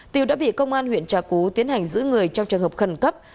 tiểu đã bị công an huyện trà cú tiến hành giữ người trong trường hợp khẩn cấp